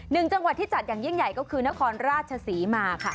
นึงจังหวัดที่จัดที่เยี่ยมใหญ่ก็คือนครราชศรีมา